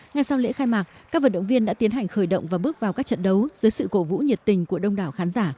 ngay sau lễ khai mạc các vận động viên đã tiến hành khởi động và bước vào các trận đấu dưới sự cổ vũ nhiệt tình của đông đảo khán giả